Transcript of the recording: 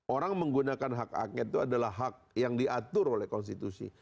orang menggunakan hak angket itu adalah hak yang diatur oleh konstitusi